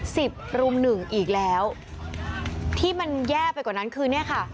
สิบรุมหนึ่งอีกแล้วที่มันแย่ไปกว่านั้นคือเนี่ยค่ะ